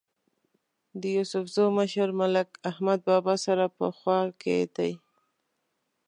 د یوسفزو مشر ملک احمد بابا سره په خوا کې دی.